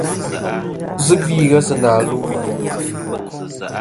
Zɨ gvi ghesi na lu.